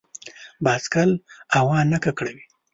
بایسکل هوا نه ککړوي.